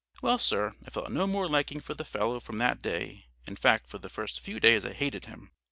Well, sir, I felt no more liking for the fellow from that day, in fact for the first few days I hated him.